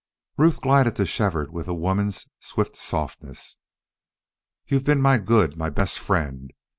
Ruth glided to Shefford with a woman's swift softness. "You've been my good my best friend.